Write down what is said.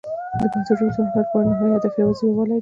د پښتو ژبې د پرمختګ لپاره نهایي هدف یوازې یووالی دی.